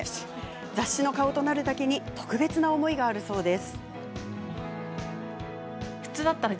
雑誌の顔となるだけに特別な思いがあるそうです。